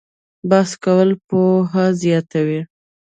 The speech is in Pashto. بحث کول پوهه زیاتوي؟